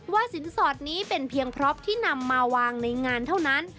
สินสอดนี้เป็นเพียงพร็อปที่นำมาวางในงานเท่านั้น